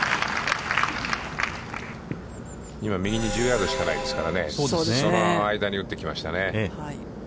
今、右に１０ヤードしかないですからね、その間に打ってきましたね。